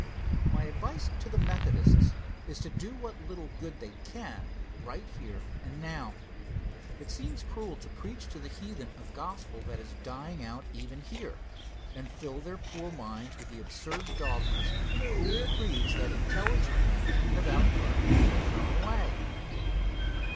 My advice to the Methodists is to do what little good they can right here and now. It seems cruel to preach to the heathen a gospel that is dying out even here, and fill their poor minds with the absurd dogmas and cruel creeds that intelligent men have outgrown and thrown away.